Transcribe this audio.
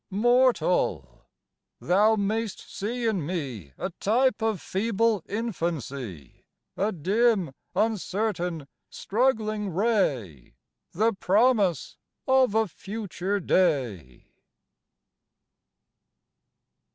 Mortal! thou mayst see in me A type of feeble infancy, A dim, uncertain, struggling ray, The promise of a future day!